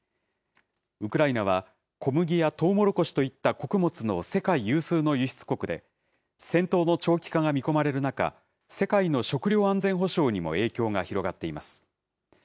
ウクライナは、小麦やトウモロコシといった穀物の世界有数の輸出国で、戦闘の長期化が見込まれる中、世界の食料安全保障にも影響が広がっています。